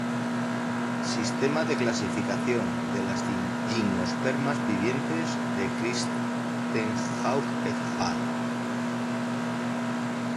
Sistema de clasificación de las gimnospermas vivientes de Christenhusz et al.